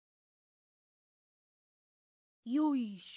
よいしょ！